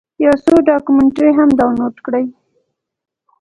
یو څو ډاکمنټرۍ هم ډاونلوډ کړې.